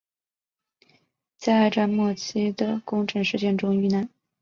在二战末期的宫城事件中遇难。